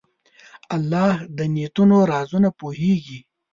الله د نیتونو رازونه پوهېږي.